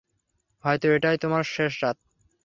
হয়তো এটাই তোমার শেষরাত।